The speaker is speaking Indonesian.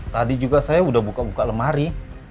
tadi juga saya sudah buka buka lemari